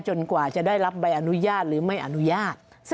กว่าจะได้รับใบอนุญาตหรือไม่อนุญาต